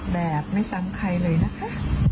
แบบไม่ซ้ำใครเลยนะคะ